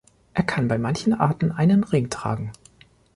Er kann bei manchen Arten einen Ring tragen.